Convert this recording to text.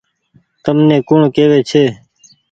تم ني ڪوڻ ڪيوي ڇي ۔